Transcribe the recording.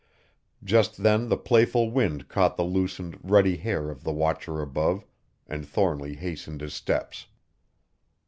Just then the playful wind caught the loosened, ruddy hair of the watcher above, and Thornly hastened his steps.